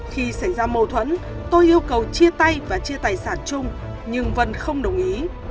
khi xảy ra mâu thuẫn tôi yêu cầu chia tay và chia tài sản chung nhưng vân không đồng ý